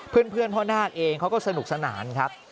เพื่อนพ่อนาคเองเขาก็สนุกสนานครับ